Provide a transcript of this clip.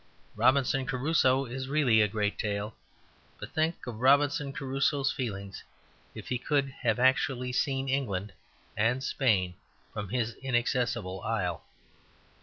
"Robinson Crusoe" is really a great tale, but think of Robinson Crusoe's feelings if he could have actually seen England and Spain from his inaccessible isle!